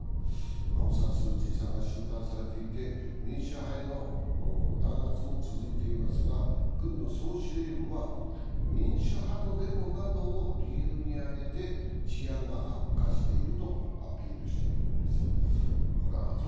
アウン・サン・スー・チーさんは収監されていて民主派への弾圧も続いていますが軍の総司令部は民主派のデモなどを理由に挙げて治安が悪化しているとアピールしているんです。